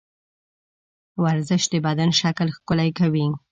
ورزش د بدن شکل ښکلی کوي.